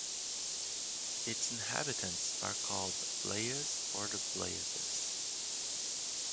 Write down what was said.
Its inhabitants are called Blayais or the Blayaises.